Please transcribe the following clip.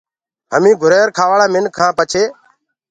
هميٚنٚ گُھرير کآواݪآ مِنک هآن پڇي